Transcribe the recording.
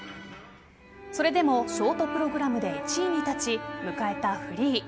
それでもショートプログラムで１位に立ち迎えたフリー。